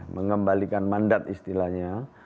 mengembalikan mandat istilahnya